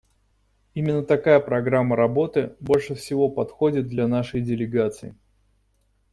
Именно такая программа работы больше всего подходит для нашей делегации.